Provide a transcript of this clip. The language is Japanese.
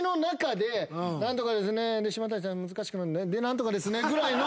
「で何とかですね」ぐらいの。